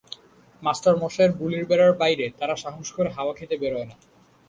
মাস্টারমশায়ের বুলির বেড়ার বাইরে তারা সাহস করে হাওয়া খেতে বেরোয় না।